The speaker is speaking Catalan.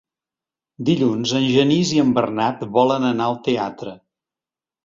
Dilluns en Genís i en Bernat volen anar al teatre.